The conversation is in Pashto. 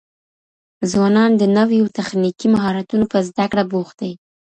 ځوانان د نويو تخنيکي مهارتونو په زده کړه بوخت دي.